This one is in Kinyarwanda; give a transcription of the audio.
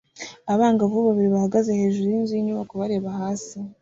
Abangavu babiri bahagaze hejuru yinzu yinyubako bareba hasi